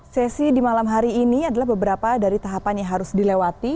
sesi di malam hari ini adalah beberapa dari tahapan yang harus dilewati